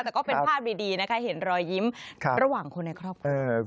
แต่ก็เป็นภาพดีนะคะเห็นรอยยิ้มระหว่างคนในครอบครัว